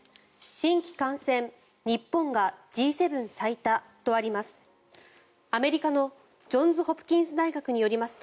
新規感染日本がＧ７最多とあります。